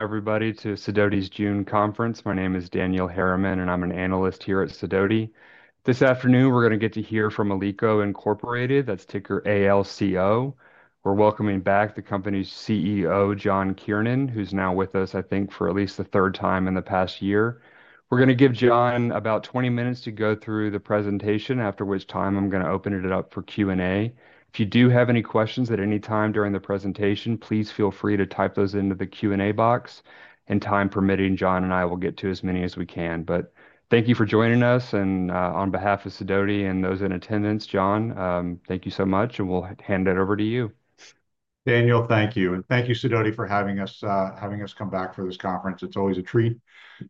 Everybody to SIDOTI's June conference. My name is Daniel Harriman, and I'm an analyst here at SIDOTI. This afternoon, we're going to get to hear from Alico Incorporated, that's ticker ALCO. We're welcoming back the company's CEO, John Kiernan, who's now with us, I think, for at least the third time in the past year. We're going to give John about 20 minutes to go through the presentation, after which time I'm going to open it up for Q&A. If you do have any questions at any time during the presentation, please feel free to type those into the Q&A box. Time permitting, John and I will get to as many as we can. Thank you for joining us, and on behalf of SIDOTI and those in attendance, John, thank you so much, and we'll hand it over to you. Daniel, thank you. Thank you, SIDOTI, for having us come back for this conference. It's always a treat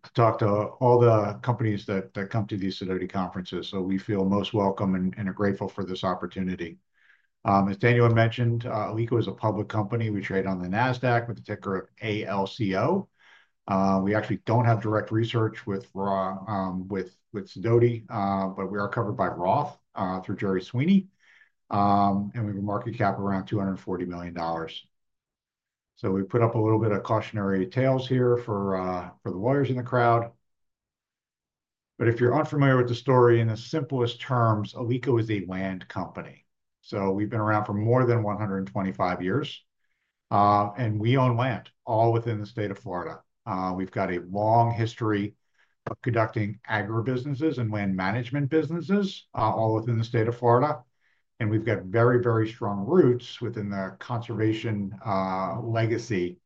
to talk to all the companies that come to these SIDOTI conferences. We feel most welcome and are grateful for this opportunity. As Daniel had mentioned, Alico is a public company. We trade on the NASDAQ with the ticker ALCO. We actually don't have direct research with SIDOTI, but we are covered by Roth through Jerry Sweeney. We have a market cap around $240 million. We put up a little bit of cautionary tales here for the lawyers in the crowd. If you're unfamiliar with the story, in the simplest terms, Alico is a land company. We've been around for more than 125 years. We own land all within the state of Florida. have got a long history of conducting agribusinesses and land management businesses all within the state of Florida. We have got very, very strong roots within the conservation legacy,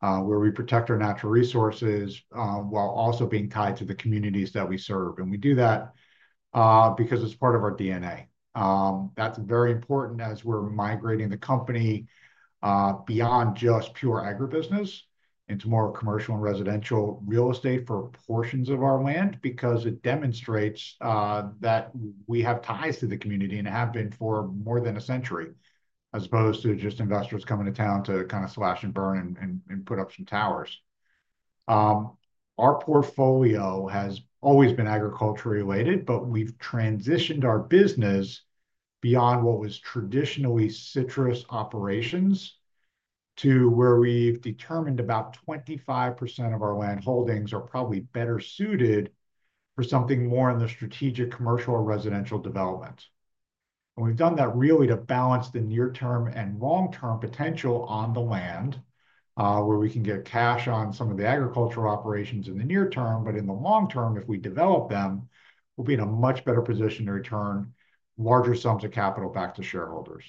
where we protect our natural resources while also being tied to the communities that we serve. We do that because it is part of our DNA. That is very important as we are migrating the company beyond just pure agribusiness into more commercial and residential real estate for portions of our land because it demonstrates that we have ties to the community and have been for more than a century, as opposed to just investors coming to town to kind of slash and burn and put up some towers. Our portfolio has always been agriculture-related, but we've transitioned our business beyond what was traditionally citrus operations to where we've determined about 25% of our land holdings are probably better suited for something more in the strategic commercial or residential development. We've done that really to balance the near-term and long-term potential on the land, where we can get cash on some of the agricultural operations in the near term. In the long term, if we develop them, we'll be in a much better position to return larger sums of capital back to shareholders.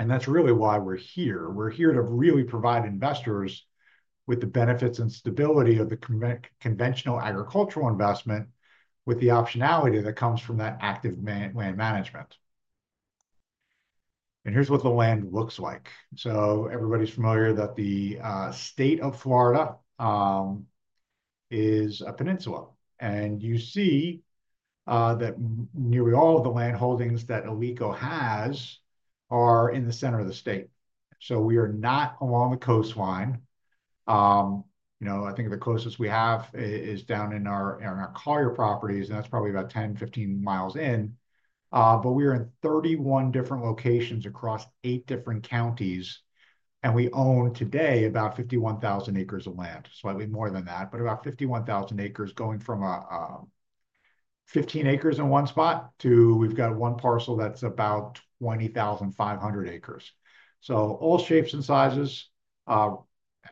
That's really why we're here. We're here to really provide investors with the benefits and stability of the conventional agricultural investment with the optionality that comes from that active land management. Here's what the land looks like. Everybody's familiar that the state of Florida is a peninsula. You see that nearly all of the land holdings that Alico has are in the center of the state. We are not along the coastline. I think the closest we have is down in our Collier properties, and that's probably about 10-15 miles in. We are in 31 different locations across eight different counties. We own today about 51,000 acres of land, slightly more than that, but about 51,000 acres going from 15 acres in one spot to we've got one parcel that's about 20,500 acres. All shapes and sizes.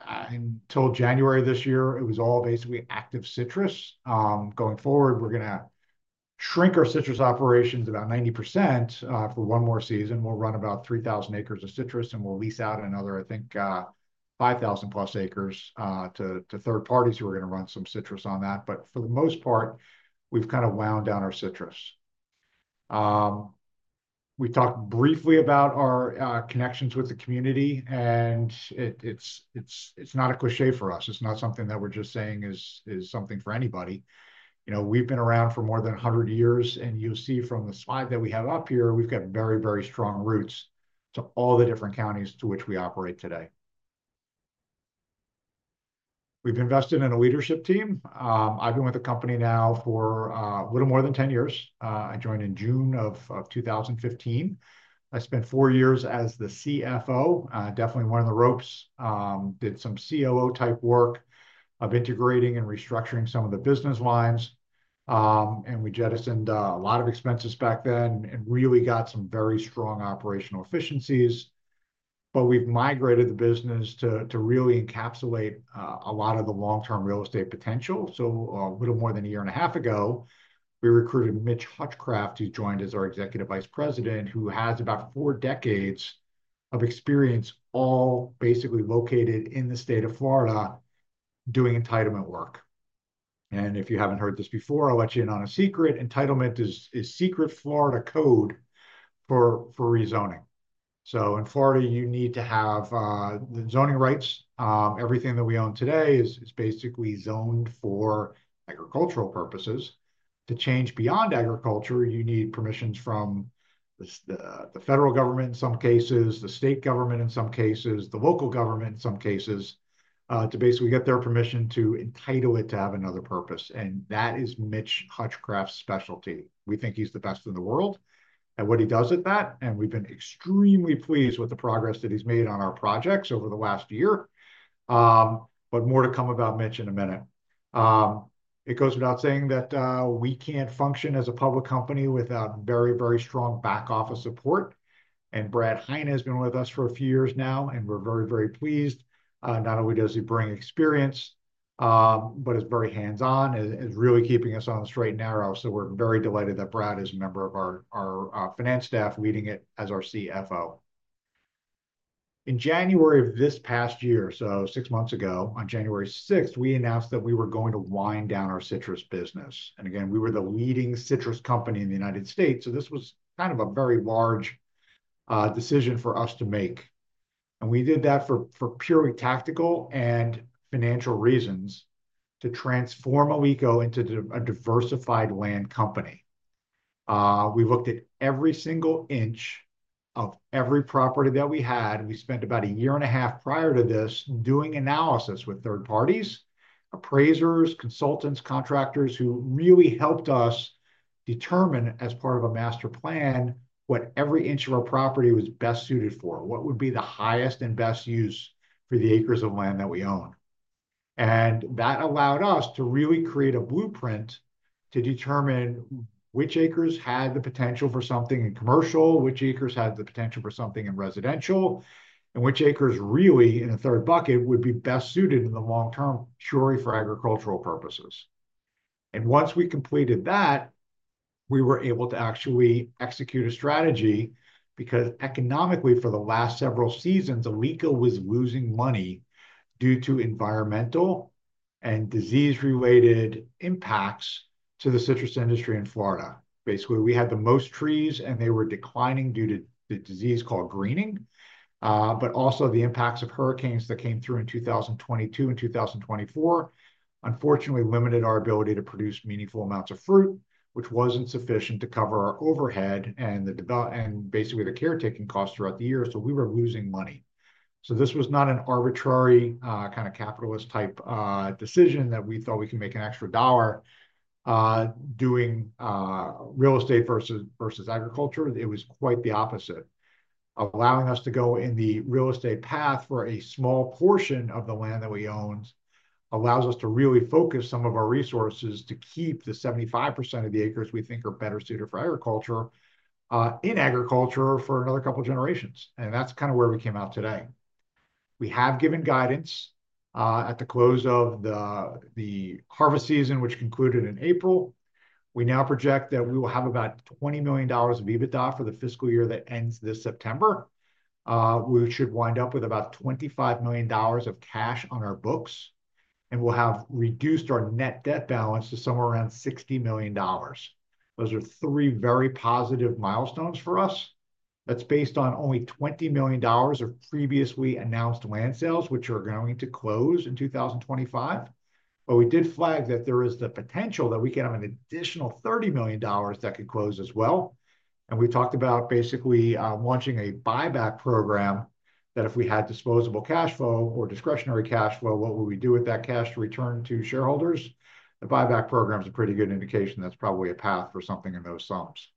Until January this year, it was all basically active citrus. Going forward, we're going to shrink our citrus operations about 90% for one more season. We'll run about 3,000 acres of citrus, and we'll lease out another, I think, 5,000-plus acres to third parties who are going to run some citrus on that. For the most part, we've kind of wound down our citrus. We talked briefly about our connections with the community, and it's not a cliché for us. It's not something that we're just saying is something for anybody. We've been around for more than 100 years. You'll see from the slide that we have up here, we've got very, very strong roots to all the different counties to which we operate today. We've invested in a leadership team. I've been with the company now for a little more than 10 years. I joined in June of 2015. I spent four years as the CFO, definitely one of the ropes. Did some COO-type work of integrating and restructuring some of the business lines. We jettisoned a lot of expenses back then and really got some very strong operational efficiencies. We have migrated the business to really encapsulate a lot of the long-term real estate potential. A little more than a year and a half ago, we recruited Mitch Hutchcraft, who joined as our Executive Vice President, who has about four decades of experience all basically located in the state of Florida doing entitlement work. If you have not heard this before, I will let you in on a secret. Entitlement is secret Florida code for rezoning. In Florida, you need to have the zoning rights. Everything that we own today is basically zoned for agricultural purposes. To change beyond agriculture, you need permissions from the federal government in some cases, the state government in some cases, the local government in some cases, to basically get their permission to entitle it to have another purpose. That is Mitch Hutchcraft's specialty. We think he's the best in the world at what he does at that. We've been extremely pleased with the progress that he's made on our projects over the last year. More to come about Mitch in a minute. It goes without saying that we can't function as a public company without very, very strong back-office support. Brad Heine has been with us for a few years now, and we're very, very pleased. Not only does he bring experience, but he's very hands-on, is really keeping us on the straight and narrow. We're very delighted that Brad is a member of our finance staff leading it as our CFO. In January of this past year, six months ago, on January 6th, we announced that we were going to wind down our citrus business. Again, we were the leading citrus company in the United States. This was kind of a very large decision for us to make. We did that for purely tactical and financial reasons to transform Alico into a diversified land company. We looked at every single inch of every property that we had. We spent about a year and a half prior to this doing analysis with third parties, appraisers, consultants, contractors who really helped us determine as part of a master plan what every inch of our property was best suited for, what would be the highest and best use for the acres of land that we own. That allowed us to really create a blueprint to determine which acres had the potential for something in commercial, which acres had the potential for something in residential, and which acres really, in a third bucket, would be best suited in the long-term purely for agricultural purposes. Once we completed that, we were able to actually execute a strategy because economically, for the last several seasons, Alico was losing money due to environmental and disease-related impacts to the citrus industry in Florida. Basically, we had the most trees, and they were declining due to the disease called greening. Also, the impacts of hurricanes that came through in 2022 and 2024, unfortunately, limited our ability to produce meaningful amounts of fruit, which was not sufficient to cover our overhead and basically the caretaking costs throughout the year. We were losing money. This was not an arbitrary kind of capitalist-type decision that we thought we could make an extra dollar doing real estate versus agriculture. It was quite the opposite. Allowing us to go in the real estate path for a small portion of the land that we owned allows us to really focus some of our resources to keep the 75% of the acres we think are better suited for agriculture in agriculture for another couple of generations. That is kind of where we came out today. We have given guidance at the close of the harvest season, which concluded in April. We now project that we will have about $20 million of EBITDA for the fiscal year that ends this September. We should wind up with about $25 million of cash on our books. We will have reduced our net debt balance to somewhere around $60 million. Those are three very positive milestones for us. That is based on only $20 million of previously announced land sales, which are going to close in 2025. We did flag that there is the potential that we can have an additional $30 million that could close as well. We talked about basically launching a buyback program that if we had disposable cash flow or discretionary cash flow, what would we do with that cash to return to shareholders? The buyback program is a pretty good indication that's probably a path for something in those sums.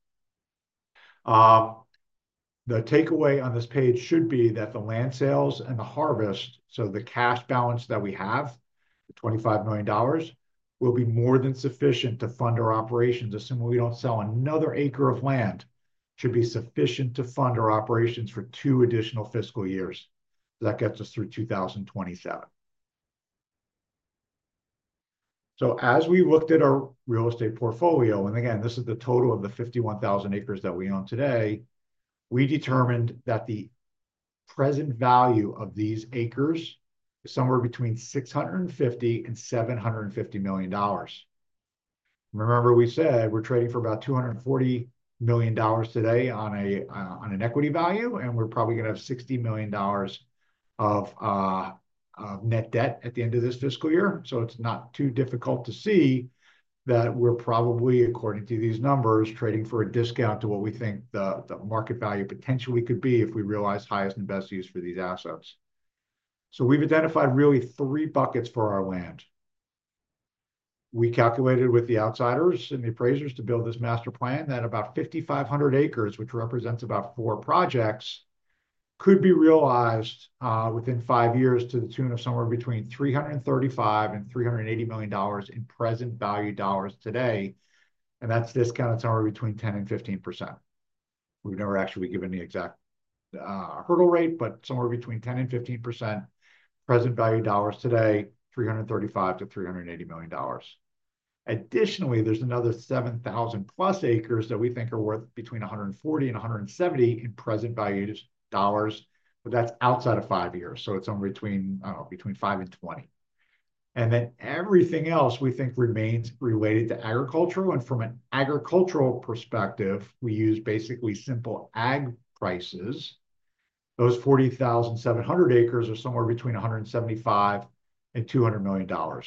The takeaway on this page should be that the land sales and the harvest, so the cash balance that we have, $25 million, will be more than sufficient to fund our operations. Assuming we do not sell another acre of land, it should be sufficient to fund our operations for two additional fiscal years. That gets us through 2027. As we looked at our real estate portfolio, and again, this is the total of the 51,000 acres that we own today, we determined that the present value of these acres is somewhere between $650 million and $750 million. Remember, we said we're trading for about $240 million today on an equity value, and we're probably going to have $60 million of net debt at the end of this fiscal year. It's not too difficult to see that we're probably, according to these numbers, trading for a discount to what we think the market value potentially could be if we realize highest and best use for these assets. We've identified really three buckets for our land. We calculated with the outsiders and the appraisers to build this master plan that about 5,500 acres, which represents about four projects, could be realized within five years to the tune of somewhere between $335 million and $380 million in present value dollars today. That's discounted somewhere between 10% and 15%. We've never actually given the exact hurdle rate, but somewhere between 10% and 15% present value dollars today, $335 million to $380 million. Additionally, there's another 7,000-plus acres that we think are worth between $140 million and $170 million in present value dollars, but that's outside of five years. It is between five and twenty. Everything else we think remains related to agriculture. From an agricultural perspective, we use basically simple ag prices. Those 40,700 acres are somewhere between $175 million and $200 million.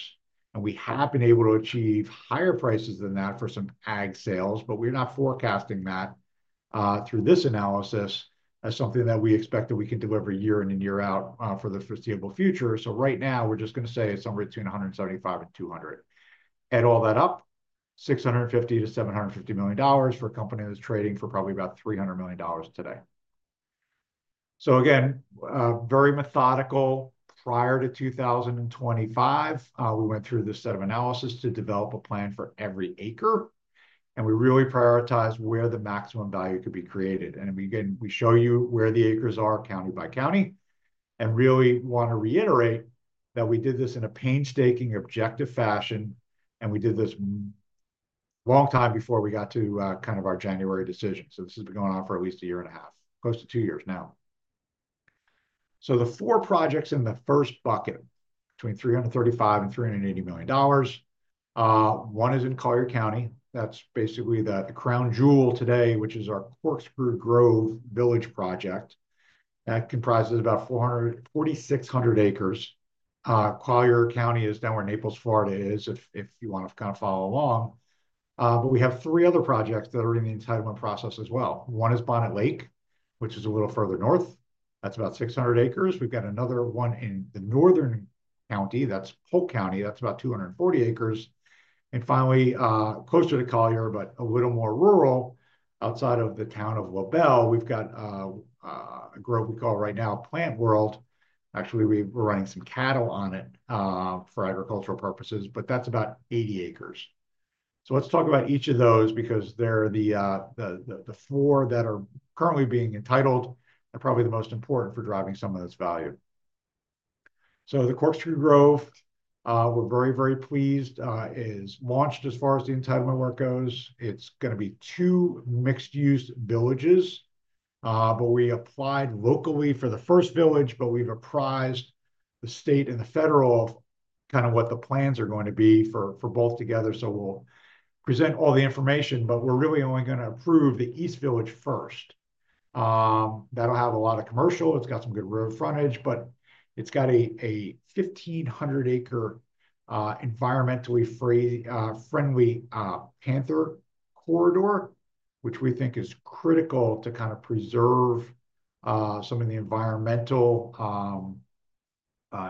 We have been able to achieve higher prices than that for some ag sales, but we're not forecasting that through this analysis as something that we expect that we can deliver year in and year out for the foreseeable future. Right now, we're just going to say it's somewhere between $175 and $200. Add all that up, $650-$750 million for a company that's trading for probably about $300 million today. Again, very methodical. Prior to 2025, we went through this set of analysis to develop a plan for every acre. We really prioritized where the maximum value could be created. We show you where the acres are county by county. I really want to reiterate that we did this in a painstaking objective fashion. We did this a long time before we got to kind of our January decision. This has been going on for at least a year and a half, close to two years now. The four projects in the first bucket, between $335 million and $380 million. One is in Collier County. That's basically the crown jewel today, which is our Corkscrew Grove Village project. That comprises about 4,600 acres. Collier County is down where Naples, Florida is, if you want to kind of follow along. We have three other projects that are in the entitlement process as well. One is Bonnet Lake, which is a little further north. That's about 600 acres. We've got another one in the northern county. That's Polk County. That's about 240 acres. Finally, closer to Collier, but a little more rural outside of the town of LaBelle, we've got a grove we call right now Plant World. Actually, we're running some cattle on it for agricultural purposes, but that's about 80 acres. Let's talk about each of those because they're the four that are currently being entitled and probably the most important for driving some of this value. The Corkscrew Grove, we're very, very pleased, is launched as far as the entitlement work goes. It's going to be two mixed-use villages. We applied locally for the first village, but we've apprised the state and the federal of kind of what the plans are going to be for both together. We'll present all the information, but we're really only going to approve the East Village first. That'll have a lot of commercial. It's got some good road frontage, but it's got a 1,500-acre environmentally friendly panther corridor, which we think is critical to kind of preserve some of the environmental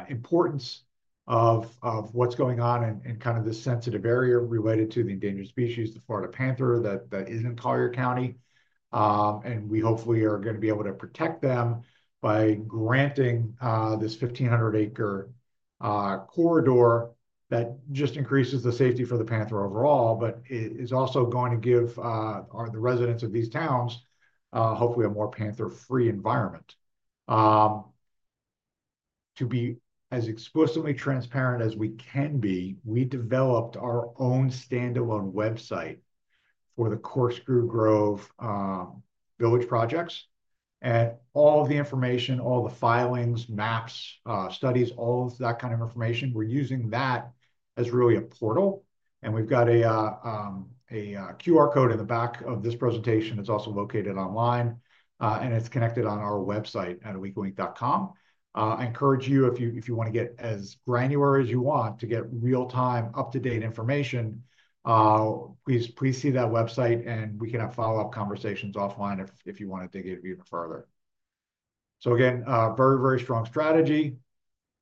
importance of what's going on in kind of this sensitive area related to the endangered species, the Florida panther that is in Collier County. We hopefully are going to be able to protect them by granting this 1,500-acre corridor that just increases the safety for the panther overall, but is also going to give the residents of these towns hopefully a more panther-free environment. To be as explicitly transparent as we can be, we developed our own standalone website for the Corkscrew Grove Village projects. All of the information, all the filings, maps, studies, all of that kind of information, we're using that as really a portal. We have a QR code in the back of this presentation that's also located online. It's connected on our website at weekly.com. I encourage you, if you want to get as granular as you want to get real-time up-to-date information, please see that website, and we can have follow-up conversations offline if you want to dig even further. Again, very, very strong strategy.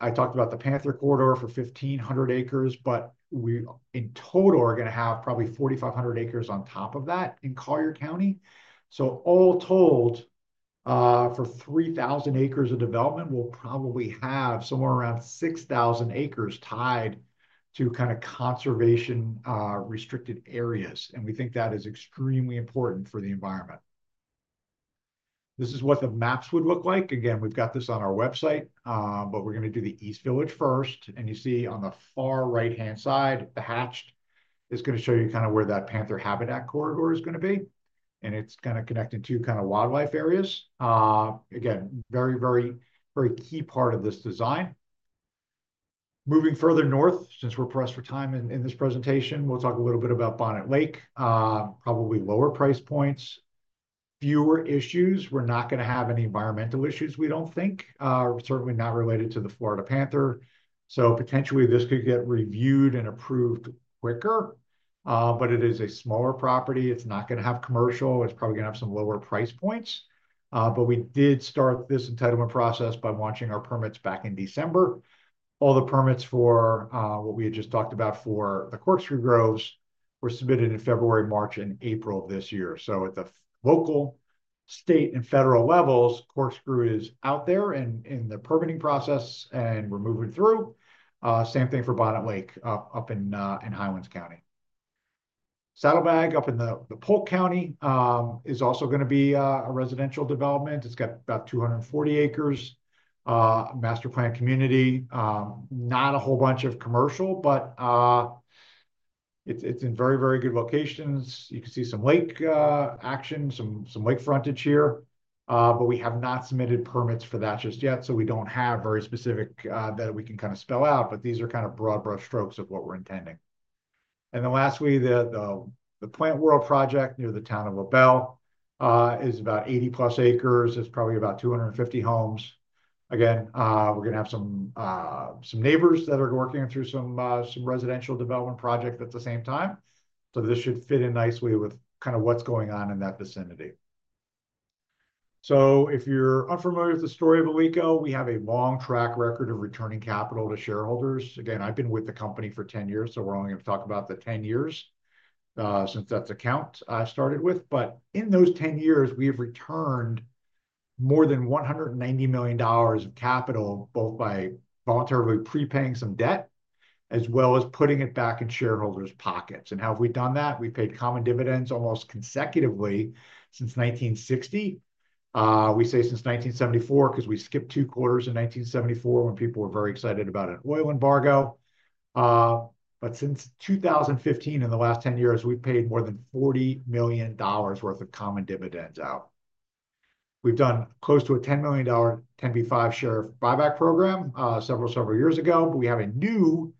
I talked about the panther corridor for 1,500 acres, but we in total are going to have probably 4,500 acres on top of that in Collier County. All told, for 3,000 acres of development, we'll probably have somewhere around 6,000 acres tied to kind of conservation-restricted areas. We think that is extremely important for the environment. This is what the maps would look like. Again, we've got this on our website, but we're going to do the East Village first. You see on the far right-hand side, the hatched is going to show you kind of where that panther habitat corridor is going to be. It is going to connect in two kind of wildlife areas. Again, very, very, very key part of this design. Moving further north, since we're pressed for time in this presentation, we'll talk a little bit about Bonnet Lake, probably lower price points, fewer issues. We're not going to have any environmental issues, we don't think, certainly not related to the Florida panther. Potentially this could get reviewed and approved quicker. It is a smaller property. It's not going to have commercial. It's probably going to have some lower price points. We did start this entitlement process by launching our permits back in December. All the permits for what we had just talked about for the Corkscrew Groves were submitted in February, March, and April of this year. At the local, state, and federal levels, Corkscrew is out there in the permitting process and we're moving through. Same thing for Bonnet Lake up in Highlands County. Saddle Bag up in Polk County is also going to be a residential development. It's got about 240 acres, master plan community, not a whole bunch of commercial, but it's in very, very good locations. You can see some lake action, some lake frontage here. We have not submitted permits for that just yet. We do not have very specific that we can kind of spell out, but these are kind of broad, broad strokes of what we're intending. Lastly, the Plant World project near the town of LaBelle is about 80-plus acres. It's probably about 250 homes. Again, we're going to have some neighbors that are working through some residential development project at the same time. This should fit in nicely with kind of what's going on in that vicinity. If you're unfamiliar with the story of Alico, we have a long track record of returning capital to shareholders. I've been with the company for 10 years, so we're only going to talk about the 10 years since that's the account I started with. In those 10 years, we have returned more than $190 million of capital both by voluntarily prepaying some debt as well as putting it back in shareholders' pockets. How have we done that? We've paid common dividends almost consecutively since 1960. We say since 1974 because we skipped two quarters in 1974 when people were very excited about an oil embargo. Since 2015, in the last 10 years, we've paid more than $40 million worth of common dividends out. We've done close to a $10 million 10B5 share buyback program several years ago. We have a new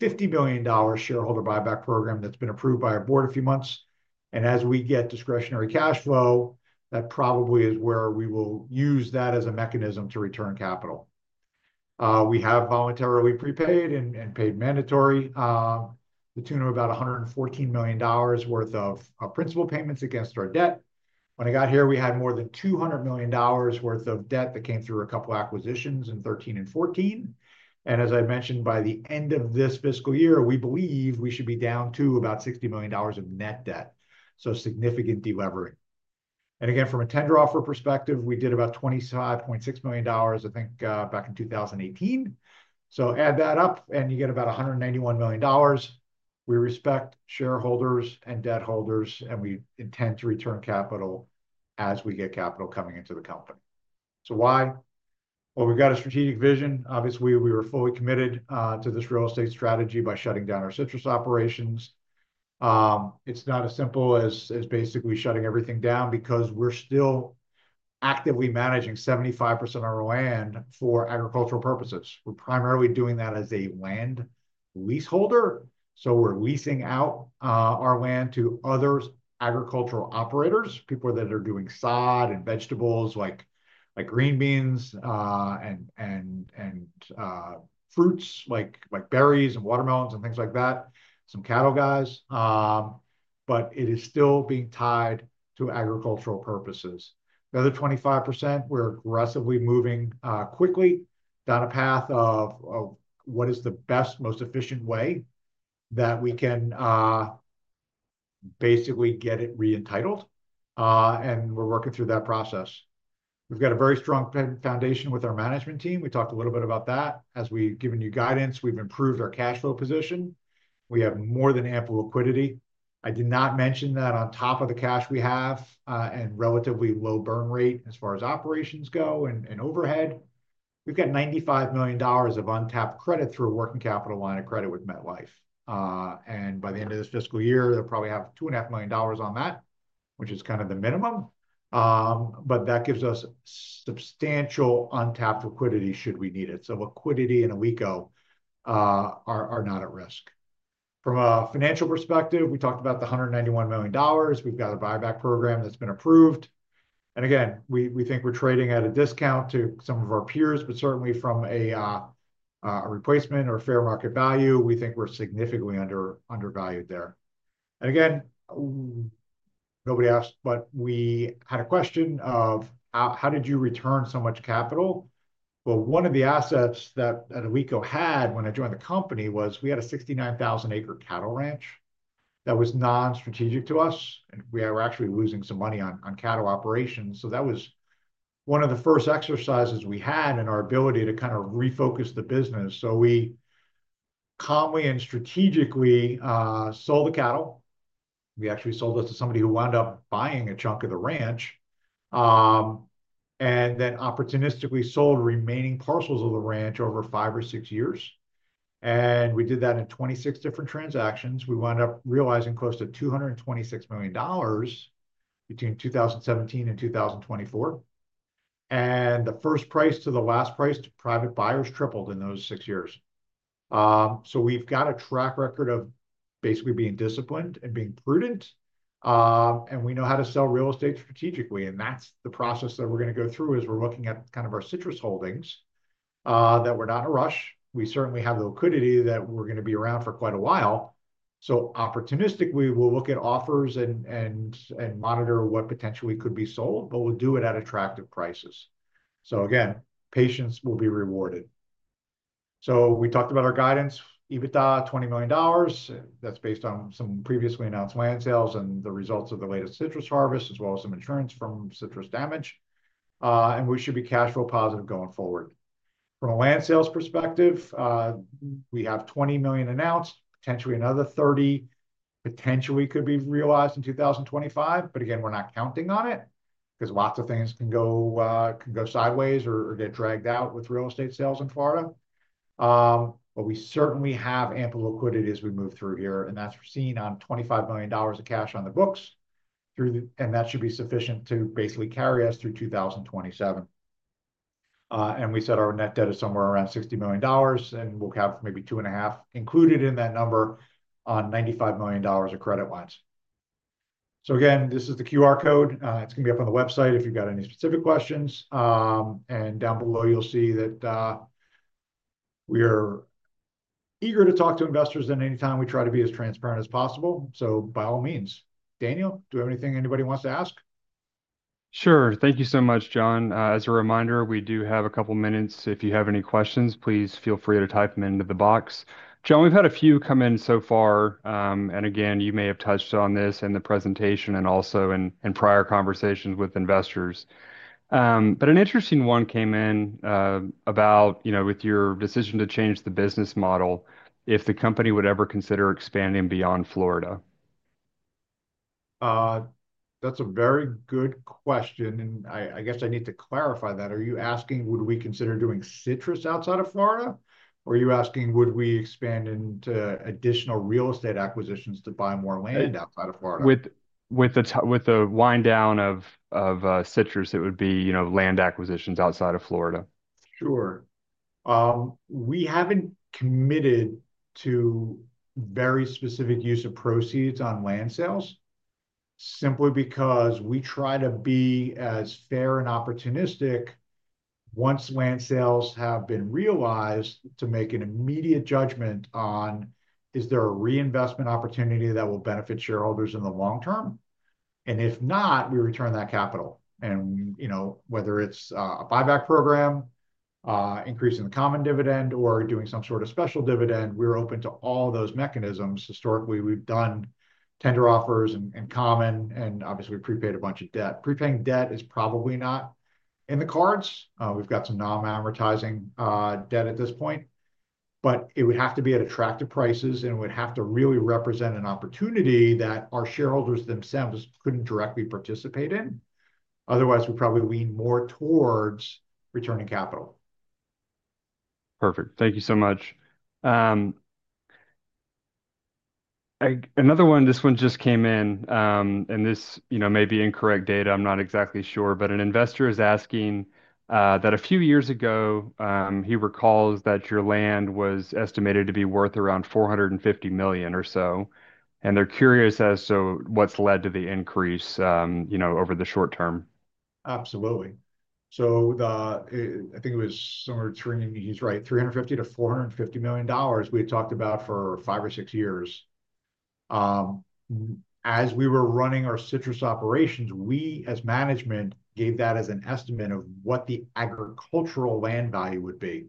$50 million shareholder buyback program that's been approved by our board a few months. As we get discretionary cash flow, that probably is where we will use that as a mechanism to return capital. We have voluntarily prepaid and paid mandatory the tune of about $114 million worth of principal payments against our debt. When I got here, we had more than $200 million worth of debt that came through a couple of acquisitions in 2013 and 2014. As I mentioned, by the end of this fiscal year, we believe we should be down to about $60 million of net debt. Significant delivery. Again, from a tender offer perspective, we did about $25.6 million, I think, back in 2018. Add that up and you get about $191 million. We respect shareholders and debt holders, and we intend to return capital as we get capital coming into the company. Why? We have a strategic vision. Obviously, we were fully committed to this real estate strategy by shutting down our citrus operations. It is not as simple as basically shutting everything down because we are still actively managing 75% of our land for agricultural purposes. We are primarily doing that as a land leaseholder. We are leasing out our land to other agricultural operators, people that are doing sod and vegetables like green beans and fruits like berries and watermelons and things like that, some cattle guys. It is still being tied to agricultural purposes. The other 25%, we're aggressively moving quickly down a path of what is the best, most efficient way that we can basically get it re-entitled. We're working through that process. We've got a very strong foundation with our management team. We talked a little bit about that. As we've given you guidance, we've improved our cash flow position. We have more than ample liquidity. I did not mention that on top of the cash we have and relatively low burn rate as far as operations go and overhead. We've got $95 million of untapped credit through a working capital line of credit with MetLife. By the end of this fiscal year, they'll probably have $2.5 million on that, which is kind of the minimum. That gives us substantial untapped liquidity should we need it. Liquidity and Alico are not at risk. From a financial perspective, we talked about the $191 million. We have got a buyback program that has been approved. We think we are trading at a discount to some of our peers, but certainly from a replacement or fair market value, we think we are significantly undervalued there. Nobody asked, but we had a question of, how did you return so much capital? One of the assets that Alico had when I joined the company was we had a 69,000-acre cattle ranch that was non-strategic to us. We were actually losing some money on cattle operations. That was one of the first exercises we had in our ability to kind of refocus the business. We calmly and strategically sold the cattle. We actually sold it to somebody who wound up buying a chunk of the ranch and then opportunistically sold remaining parcels of the ranch over five or six years. We did that in 26 different transactions. We wound up realizing close to $226 million between 2017 and 2024. The first price to the last price to private buyers tripled in those six years. We have got a track record of basically being disciplined and being prudent. We know how to sell real estate strategically. That is the process that we are going to go through as we are looking at kind of our citrus holdings that we are not in a rush. We certainly have the liquidity that we are going to be around for quite a while. Opportunistically, we will look at offers and monitor what potentially could be sold, but we will do it at attractive prices. Again, patience will be rewarded. We talked about our guidance, EBITDA, $20 million. That's based on some previously announced land sales and the results of the latest citrus harvest, as well as some insurance from citrus damage. We should be cash flow positive going forward. From a land sales perspective, we have $20 million announced, potentially another $30 million potentially could be realized in 2025. We are not counting on it because lots of things can go sideways or get dragged out with real estate sales in Florida. We certainly have ample liquidity as we move through here. That's seen on $25 million of cash on the books. That should be sufficient to basically carry us through 2027. We set our net debt at somewhere around $60 million. We'll have maybe two and a half included in that number on $95 million of credit lines. This is the QR code. It's going to be up on the website if you've got any specific questions. Down below, you'll see that we are eager to talk to investors at any time. We try to be as transparent as possible. By all means, Daniel, do you have anything anybody wants to ask? Sure. Thank you so much, John. As a reminder, we do have a couple of minutes. If you have any questions, please feel free to type them into the box. John, we've had a few come in so far. You may have touched on this in the presentation and also in prior conversations with investors. An interesting one came in about your decision to change the business model, if the company would ever consider expanding beyond Florida. That's a very good question. I guess I need to clarify that. Are you asking, would we consider doing citrus outside of Florida? Or are you asking, would we expand into additional real estate acquisitions to buy more land outside of Florida? With the wind down of citrus, it would be land acquisitions outside of Florida. Sure. We haven't committed to very specific use of proceeds on land sales simply because we try to be as fair and opportunistic once land sales have been realized to make an immediate judgment on, is there a reinvestment opportunity that will benefit shareholders in the long term? If not, we return that capital. Whether it's a buyback program, increasing the common dividend, or doing some sort of special dividend, we're open to all those mechanisms. Historically, we've done tender offers and common, and obviously prepaid a bunch of debt. Prepaying debt is probably not in the cards. We've got some non-amortizing debt at this point. It would have to be at attractive prices, and it would have to really represent an opportunity that our shareholders themselves couldn't directly participate in. Otherwise, we probably lean more towards returning capital. Perfect. Thank you so much. Another one, this one just came in, and this may be incorrect data. I'm not exactly sure, but an investor is asking that a few years ago, he recalls that your land was estimated to be worth around $450 million or so. They're curious, what's led to the increase over the short term? Absolutely I think it was somewhere between—he's right—$350 million-$450 million we had talked about for five or six years. As we were running our citrus operations, we as management gave that as an estimate of what the agricultural land value would be.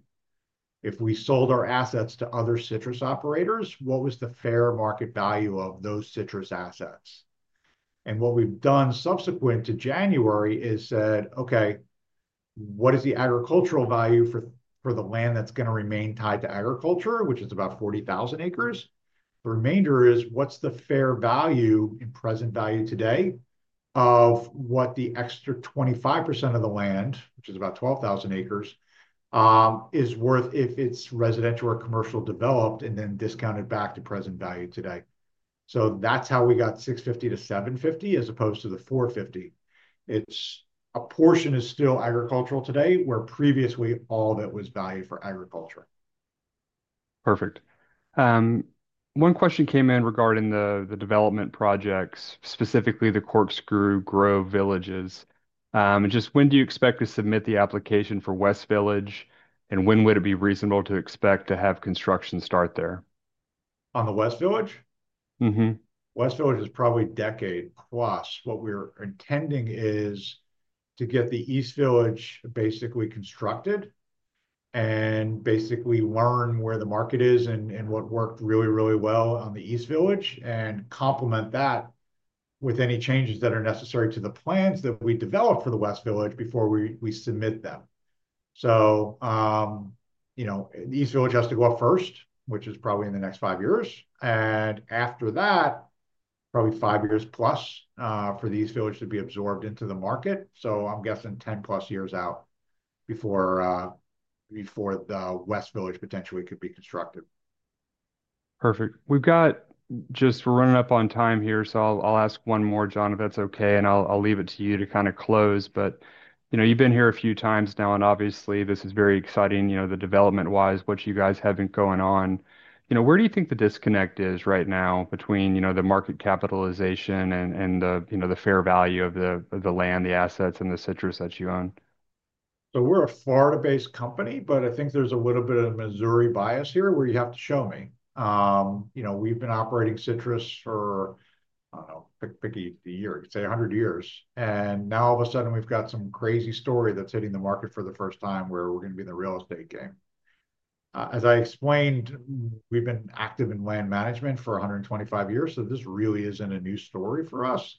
If we sold our assets to other citrus operators, what was the fair market value of those citrus assets? What we have done subsequent to January is said, okay, what is the agricultural value for the land that's going to remain tied to agriculture, which is about 40,000 acres? The remainder is, what is the fair value in present value today of what the extra 25% of the land, which is about 12,000 acres, is worth if it is residential or commercial developed and then discounted back to present value today. That is how we got $650 million-$750 million as opposed to the $450 million. A portion is still agricultural today where previously all that was valued for agriculture. Perfect. One question came in regarding the development projects, specifically the Corkscrew Grove Villages. Just when do you expect to submit the application for West Village? And when would it be reasonable to expect to have construction start there? On the West Village? West Village is probably decade plus. What we're intending is to get the East Village basically constructed and basically learn where the market is and what worked really, really well on the East Village and complement that with any changes that are necessary to the plans that we develop for the West Village before we submit them. The East Village has to go up first, which is probably in the next five years. After that, probably five years plus for the East Village to be absorbed into the market. I'm guessing 10 plus years out before the West Village potentially could be constructed. Perfect. We've got just—we're running up on time here. I'll ask one more, John, if that's okay. I'll leave it to you to kind of close. You've been here a few times now. Obviously, this is very exciting, development-wise, what you guys have been going on. Where do you think the disconnect is right now between the market capitalization and the fair value of the land, the assets, and the citrus that you own? We are a Florida-based company, but I think there's a little bit of a Missouri bias here where you have to show me. We've been operating citrus for, I don't know, pick, pick a year, say 100 years. Now all of a sudden, we've got some crazy story that's hitting the market for the first time where we're going to be in the real estate game. As I explained, we've been active in land management for 125 years. This really isn't a new story for us.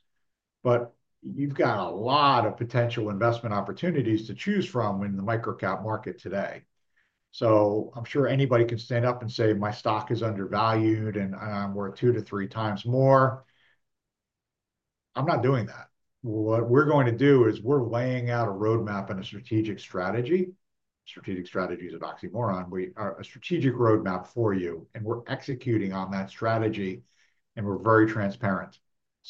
You've got a lot of potential investment opportunities to choose from in the microcap market today. I'm sure anybody can stand up and say, "My stock is undervalued, and I'm worth two to three times more." I'm not doing that. What we're going to do is we're laying out a roadmap and a strategic strategy. Strategic strategy is an oxymoron. We are a strategic roadmap for you. We're executing on that strategy. We're very transparent.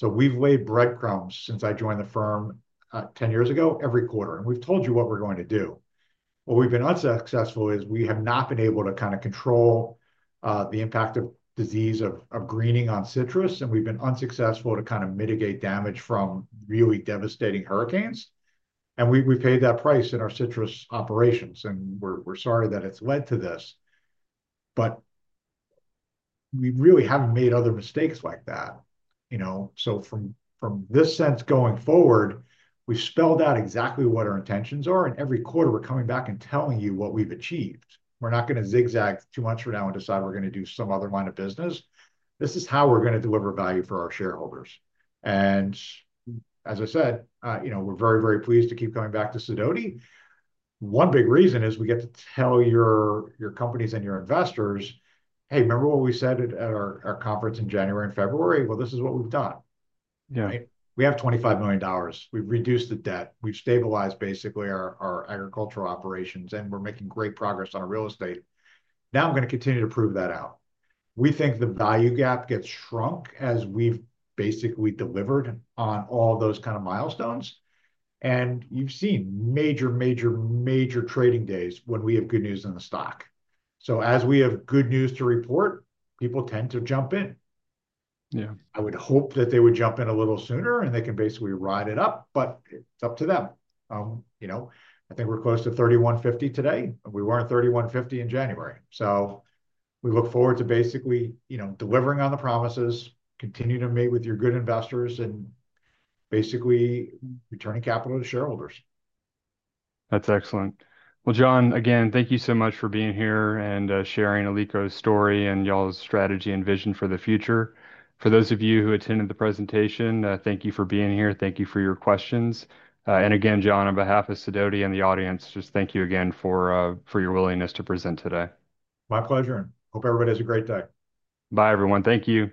We've laid breadcrumbs since I joined the firm 10 years ago every quarter. We have told you what we are going to do. What we have been unsuccessful at is we have not been able to kind of control the impact of disease of greening on citrus. We have been unsuccessful to kind of mitigate damage from really devastating hurricanes. We have paid that price in our citrus operations. We are sorry that it has led to this. We really have not made other mistakes like that. From this sense going forward, we have spelled out exactly what our intentions are. Every quarter, we are coming back and telling you what we have achieved. We are not going to zigzag too much for now and decide we are going to do some other line of business. This is how we are going to deliver value for our shareholders. As I said, we are very, very pleased to keep coming back to SIDOTI. One big reason is we get to tell your companies and your investors, "Hey, remember what we said at our conference in January and February? This is what we've done. We have $25 million. We've reduced the debt. We've stabilized basically our agricultural operations. And we're making great progress on our real estate. Now I'm going to continue to prove that out." We think the value gap gets shrunk as we've basically delivered on all those kind of milestones. You've seen major, major, major trading days when we have good news in the stock. As we have good news to report, people tend to jump in. I would hope that they would jump in a little sooner, and they can basically ride it up. It is up to them. I think we're close to $31.50 today. We weren't $31.50 in January. We look forward to basically delivering on the promises, continue to meet with your good investors, and basically returning capital to shareholders. That's excellent. John, again, thank you so much for being here and sharing Alico's story and y'all's strategy and vision for the future. For those of you who attended the presentation, thank you for being here. Thank you for your questions. John, on behalf of SIDOTI and the audience, just thank you again for your willingness to present today. My pleasure. Hope everybody has a great day. Bye everyone. Thank you.